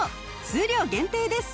数量限定です。